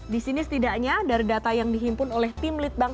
di sini setidaknya dari data yang dihimpun oleh tim litbang